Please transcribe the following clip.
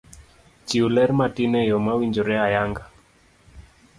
Chiw ler matin eyo mawinjore ayanga